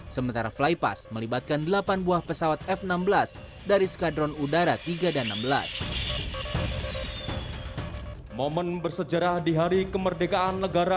sementara flypass melibatkan delapan buah pesawat f enam belas dari skadron udara tiga dan enam belas